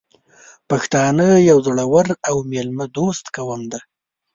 پښتانه یو زړور او میلمه دوست قوم دی .